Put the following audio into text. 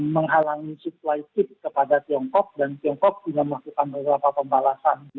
menghalangi supply kit kepada tiongkok dan tiongkok juga melakukan beberapa pembalasan